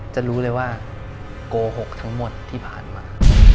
จะรู้เลยว่าโกหกทั้งหมดที่ผ่านมา